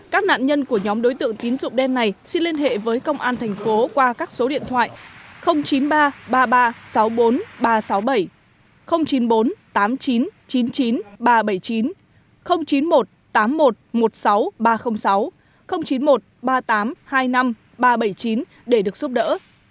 các nạn nhân của nhóm đối tượng tín dụng đen này xin liên hệ với công an thành phố qua các số điện thoại chín mươi ba ba mươi ba sáu mươi bốn ba trăm sáu mươi bảy chín mươi bốn tám mươi chín chín mươi chín ba trăm bảy mươi chín chín mươi một tám mươi một một mươi sáu ba trăm linh sáu chín mươi một ba mươi tám hai mươi năm ba trăm bảy mươi chín để được giúp đỡ